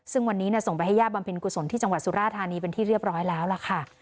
ซึ่งวันนี้ส่งไปให้ย่าบำเพ็ญกุศลที่จังหวัดสุราธานีเป็นที่เรียบร้อยแล้วล่ะค่ะ